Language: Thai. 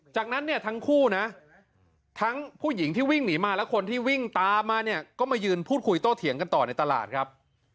จากนั้นเนี่ยทั้งคู่นะทั้งผู้หญิงที่วิ่งหนีมาและคนที่วิ่งตามมาเนี่ยก็มายืนพูดคุยโต้เถียงกันต่อในตลาดครับ